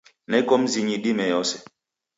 Neko mzinyi dime yose.